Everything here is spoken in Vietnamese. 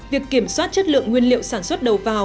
việc kiểm soát chất lượng nguyên liệu sản xuất đầu vào